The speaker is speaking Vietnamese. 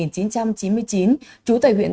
trú tại huyện tây nguyên